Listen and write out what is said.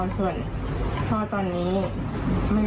ส่วนพ่อตอนนี้